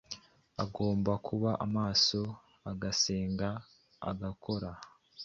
Agomba kuba maso, agasenga, agakora,